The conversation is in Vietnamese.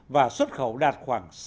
và xuất khẩu đạt khoảng